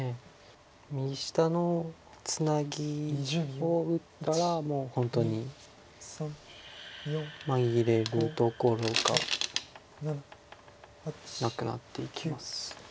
右下のツナギを打ったらもう本当に紛れるところがなくなっていきます。